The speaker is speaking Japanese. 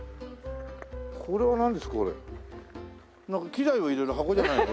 機材を入れる箱じゃないの？